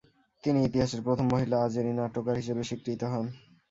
তিনি ইতিহাসের প্রথম মহিলা আজেরি নাট্যকার হিসাবে স্বীকৃত হন।